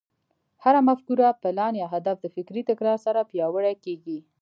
هره مفکوره، پلان، يا هدف د فکري تکرار سره پياوړی کېږي.